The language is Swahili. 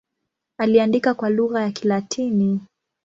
Aliandika kwa lugha ya Kilatini.